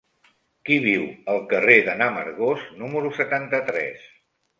Qui viu al carrer de n'Amargós número setanta-tres?